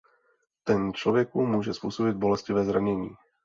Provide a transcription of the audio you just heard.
Ten člověku může způsobit bolestivé zranění.